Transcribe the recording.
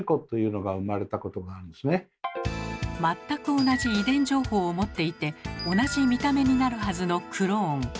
全く同じ遺伝情報を持っていて同じ見た目になるはずのクローン。